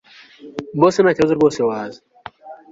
Boss atintakibazo rwose waza